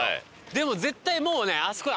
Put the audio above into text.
でも絶対もうねあそこにあるよ！